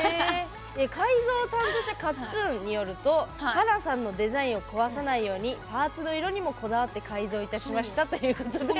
改造を担当したカッツンによりますと華さんのデザインを壊さないようにパーツの色にもこだわって改造いたしましたということで。